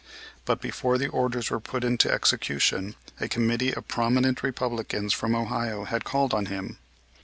But before the orders were put into execution a committee of prominent Republicans from Ohio had called on him.